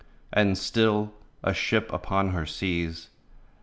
And still, a ship upon her seas.